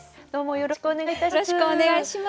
よろしくお願いします。